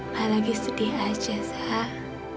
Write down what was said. mbak lagi sedih aja zah